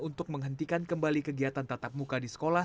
untuk menghentikan kembali kegiatan tatap muka di sekolah